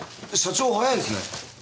社長早いですね。